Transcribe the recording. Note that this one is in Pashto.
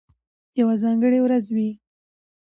یوه ځانګړې ورځ وي،